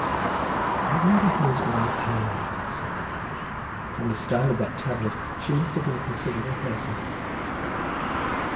"I wonder who his wife Ann was?" said I, "from the style of that tablet she must have been a considerable person."